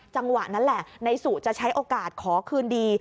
จังหวะนั้นแหละนายสุจะใช้โอกาสขอคืนดี